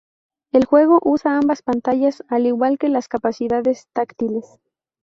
El juego usa ambas pantallas, al igual que las capacidades táctiles.